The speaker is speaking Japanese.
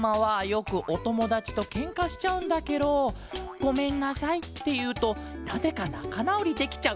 「ごめんなさい」っていうとなぜかなかなおりできちゃう。